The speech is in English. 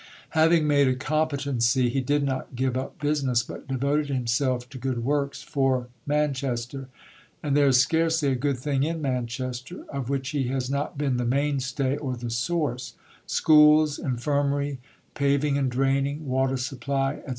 Having made "a competency," he did not give up business, but devoted himself to good works for Manchester. And there is scarcely a good thing in Manchester, of which he has not been the main stay or the source schools, infirmary, paving and draining, water supply, etc.